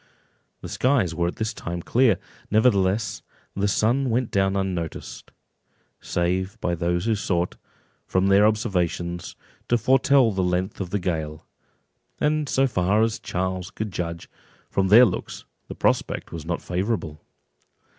The skies were at this time clear; nevertheless the sun went down unnoticed, save by those who sought, from their observations, to foretell the length of the gale; and so far as Charles could judge, from their looks, the prospect was not favourable.